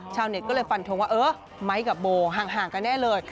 ชาวเน็ตก็เลยฟันทงว่าเออไม้กับโบห่างกันแน่เลย